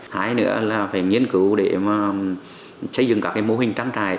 hai nữa là phải nghiên cứu để xây dựng các mô hình trang trại